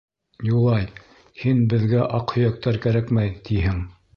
— Юлай, һин, беҙгә аҡһөйәктәр кәрәкмәй, тиһең.